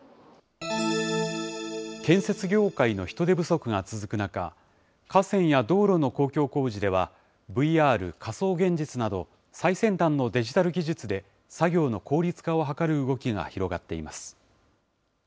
建設業界の人手不足が続く中、河川や道路の公共工事ではＶＲ・仮想現実など、最先端のデジタル技術で、作業の効率化を図る動きが広がっています。